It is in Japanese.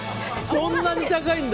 そんなに高いんだ。